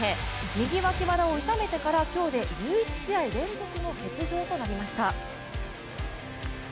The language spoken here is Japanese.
右脇腹を痛めてから今日で１１試合連続の欠場となりました。